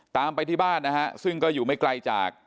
ตามไปที่บ้านนะฮะซึ่งก็อยู่ไม่ไกลจาก